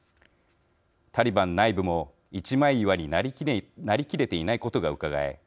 タリバン内部も一枚岩になりきれていないことがうかがえ